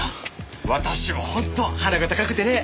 私もホント鼻が高くてね。